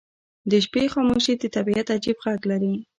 • د شپې خاموشي د طبیعت عجیب غږ لري.